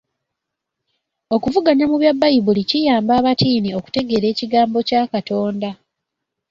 Okuvuganya mu bya Bbayibuli kiyamba abattiini okutegeera ekigambo kya Katonda.